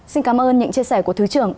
xin cảm ơn những chia sẻ của thứ trưởng